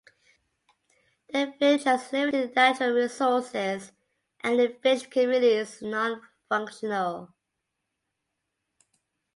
The village has limited natural resources and the village committee is nonfunctional.